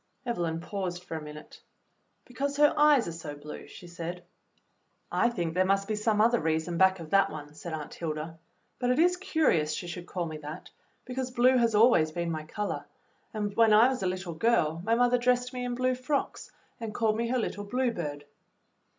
Evelyn paused for a minute. "Because her eyes are so blue," she said. "I think there must be some other reason back of that one," said Aunt Hilda; "but it is curious she should call me that, because blue has always been my color, and when I was a little girl my mother dressed me in blue frocks and called me her little Blue Bird."